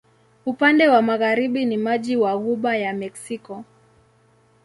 Upande wa magharibi ni maji wa Ghuba ya Meksiko.